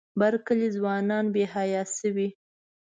بر کلي ځوانان بې حیا شوي.